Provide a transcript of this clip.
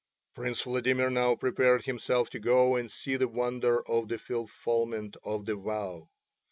Prince Vladimir now prepared himself to go and see the wonder of the fulfilment of the vow.